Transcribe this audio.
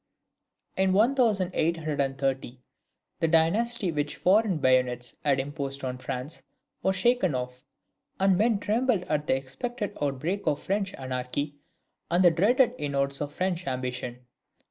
In 1830, the dynasty which foreign bayonets had imposed on France was shaken off; and men trembled at the expected outbreak of French anarchy and the dreaded inroads of French ambition.